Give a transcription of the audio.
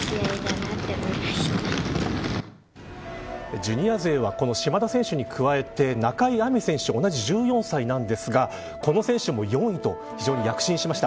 ジュニア勢はこの島田選手に加えて中井亜美選手同じ１４歳なんですがこの選手も４位と非常に躍進しました。